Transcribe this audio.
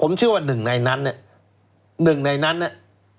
ผมเชื่อว่าหนึ่งในนั้นอะหนึ่งในนั้นอะ